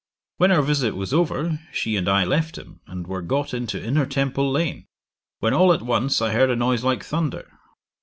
When our visit was over, she and I left him, and were got into Inner Temple lane, when all at once I heard a noise like thunder.